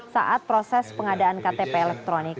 saat proses pengadaan ktp elektronik